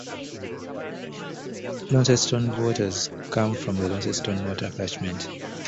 Launceston's water comes from the Launceston Water Catchment.